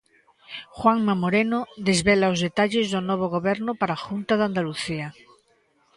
Juanma Moreno desvela os detalles do novo goberno para a Junta de Andalucía.